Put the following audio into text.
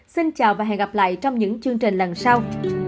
xin chào và hẹn gặp lại trong những chương trình lần sau